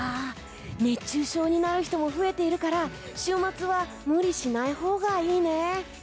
熱中症になる人も増えているから週末は無理しないほうがいいね。